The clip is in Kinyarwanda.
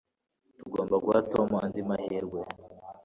Tugomba guha Tom andi mahirwe.